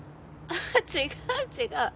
違う違う。